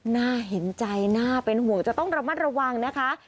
น่าเห็นใจน่าเป็นห่วงจะต้องระมัดระวังนะคะ